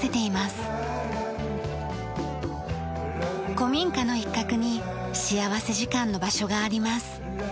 古民家の一角に幸福時間の場所があります。